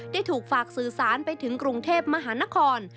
ถูกฝากสื่อสารไปถึงกรุงเทพมหานคร